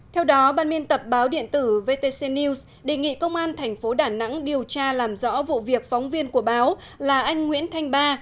theo đó ban biên tập báo điện tử vtc news đề nghị công an thành phố đà nẵng điều tra làm rõ vụ việc phóng viên của báo là anh nguyễn thanh ba